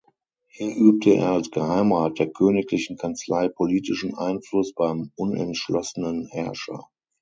Hier übte er als Geheimrat der königlichen Kanzlei politischen Einfluss beim unentschlossenen Herrscher.